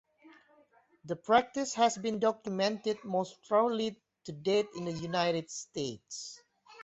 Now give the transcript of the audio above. The practice has been documented most thoroughly to date in the United States.